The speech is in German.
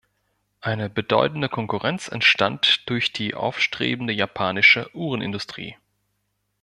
Eine bedeutende Konkurrenz entstand durch die aufstrebende japanische Uhrenindustrie.